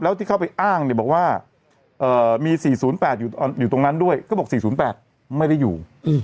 แล้วที่เข้าไปอ้างเนี่ยบอกว่ามี๔๐๘อยู่ตรงนั้นด้วยก็บอก๔๐๘ไม่ได้อยู่